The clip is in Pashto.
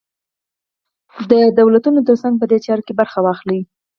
د دولتونو تر څنګ په دې چاره کې برخه واخلي.